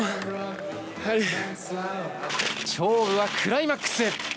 勝負はクライマックス。